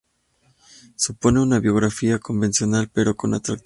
Supone una biografía convencional pero con atractivos.